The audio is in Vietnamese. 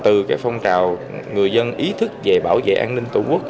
từ phong trào người dân ý thức về bảo vệ an ninh tổ quốc